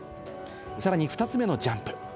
さらに２つ目のジャンプ。